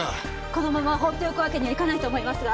このまま放っておくわけにはいかないと思いますが。